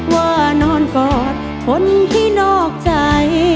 ว่านอนกอดคนที่นอกใจ